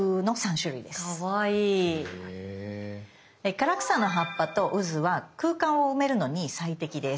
唐草の葉っぱとうずは空間を埋めるのに最適です。